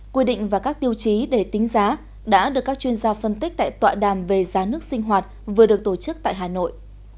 quy định và các tiêu chí để tính giá đã được các chuyên gia phân tích tại tọa đàm về giá nước sinh hoạt vừa được tổ chức tại hà nội